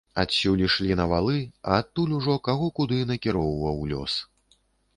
Адсюль ішлі на валы, а адтуль ужо каго куды накіроўваў лёс.